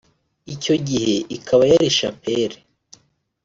icyo gihe ikaba yari Chapelle